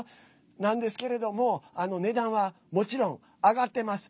なんですけども値段は、もちろん上がってます。